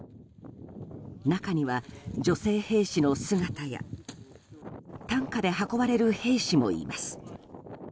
中には、女性兵士の姿や担架で運ばれる兵士もいます。